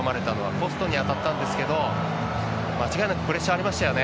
ポストに当たったんですけど間違いなくプレッシャーありましたよね。